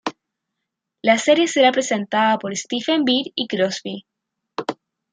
La serie será presentada por Stephen Bear y Crosby.